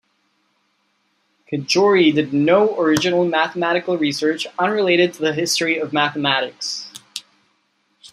Cajori did no original mathematical research unrelated to the history of mathematics.